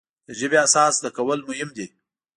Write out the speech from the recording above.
د ژبې اساس زده کول مهم دی.